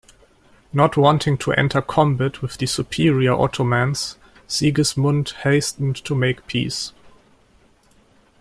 Not wanting to enter combat with the superior Ottomans, Sigismund hastened to make peace.